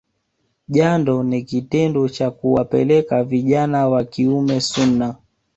Jando ni kitendo cha kuwapeleka vijana wa kiume sunnah